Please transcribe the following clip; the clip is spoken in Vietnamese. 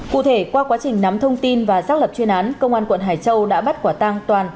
cụ thể qua quá trình nắm thông tin và xác lập chuyên án công an quận hải châu đã bắt quả tang toàn